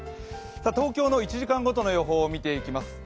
東京の１時間ごとの予報を見ていきます。